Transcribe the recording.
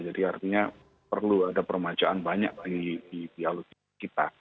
jadi artinya perlu ada permajaan banyak lagi di alutsi kita